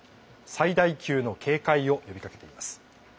最大級の警戒を呼びかけています。